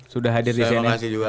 sudah hadir disini